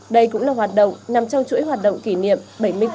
đây cũng là hoạt động nằm trong chuỗi hoạt động kỷ niệm